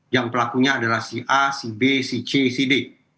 yang pelakunya adalah si a si b si c si d